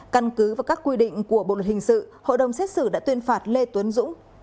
căn cứ và các quy định của bộ luật hình sự hội đồng xét xử đã tuyên phạt lê tuấn dũng